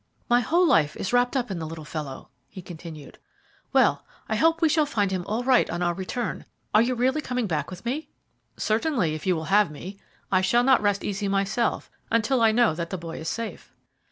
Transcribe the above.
"My whole life is wrapped up in the little fellow," he continued. "Well, I hope we shall find him all right on our return. Are you really coming back with me?" "Certainly, if you will have me. I shall not rest easy myself until I know that the boy is safe."